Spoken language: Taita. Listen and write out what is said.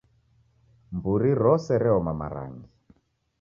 Mburi rose reoma marangi